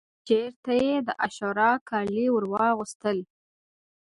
شعر ته یې د عاشورا کالي ورواغوستل